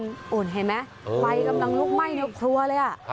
เห็นไหมไฟกำลังลุกไหม้ในครัวเลย